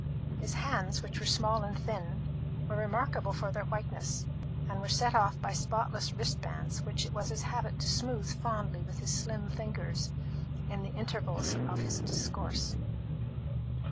His hands, which were small and thin, were remarkable for their whiteness, and were set off by spotless wristbands, which it was his habit to smooth fondly with his slim fingers in the intervals of his discourse.